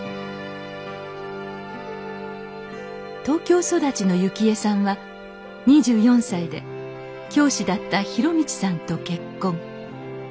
東京育ちの幸江さんは２４歳で教師だった博道さんと結婚。